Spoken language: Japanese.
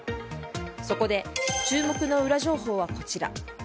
そこで注目の裏情報はこちら。